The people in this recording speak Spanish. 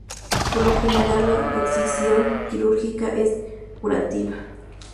Por lo general la escisión quirúrgica es curativa.